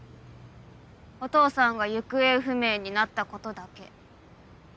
お父さんが行方不明になったことだけ。